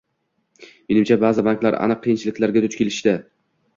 Menimcha, baʼzi banklar aniq qiyinchiliklarga duch kelishdi.